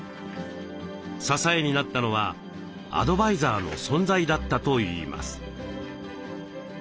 支えになったのはアドバイザーの存在だったといいます。